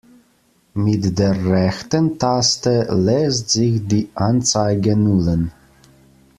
Mit der rechten Taste lässt sich die Anzeige nullen.